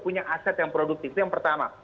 punya aset yang produktif itu yang pertama